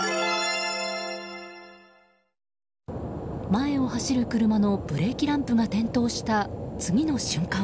前を走る車のブレーキランプが点灯した、次の瞬間。